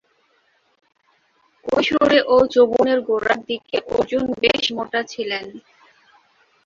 কৈশোরে ও যৌবনের গোড়ার দিকে অর্জুন বেশ মোটা ছিলেন।